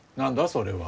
それは。